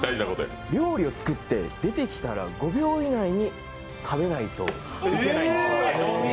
料理を作って出てきたら、５秒以内に食べないといけないんです。